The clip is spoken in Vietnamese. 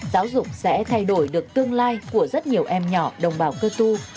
giáo dục sẽ thay đổi được tương lai của rất nhiều em nhỏ đồng bào cơ tu